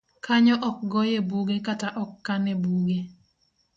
Kanyo ok goye buge kata ok kan e buge.